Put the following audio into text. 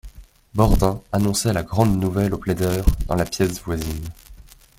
Boredain annonçait la grande nouvelle aux plaideurs, dans la pièce voisine.